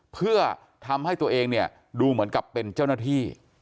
เพื่อทำให้ตัวเองเนี่ยดูเหมือนกับเป็นเจ้าหน้าที่